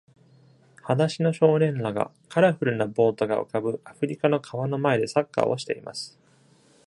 裸足の少年らが、カラフルなボートが浮かぶアフリカの川の前でサッカーをしています。